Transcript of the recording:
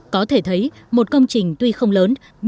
có thể thấy một công trình tuy không lớn